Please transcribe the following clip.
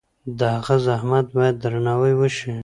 د هغه زحمت باید درناوی شي.